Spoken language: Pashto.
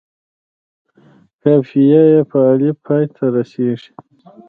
قافیه یې په الف پای ته رسيږي.